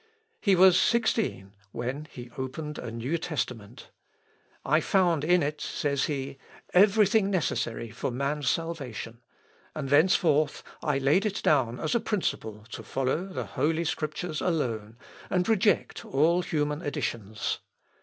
He was sixteen when he opened a New Testament. "I found in it," says he, "every thing necessary for man's salvation, and thenceforth I laid it down as a principle to follow the Holy Scriptures alone, and reject all human additions.